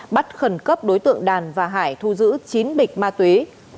bắt khẩn cấp đối tượng đàn và hải thu giữ chín bịch ma túy